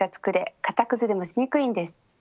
形崩れもしにくいんです。